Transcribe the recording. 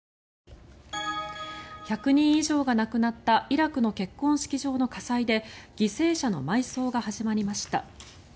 １００人以上が亡くなったイラクの結婚式場の火災で犠牲者の埋葬が始まりました。